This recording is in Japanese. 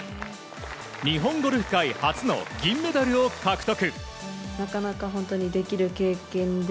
日本ゴルフ界初の銀メダルを獲得。